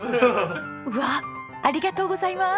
うわあありがとうございます！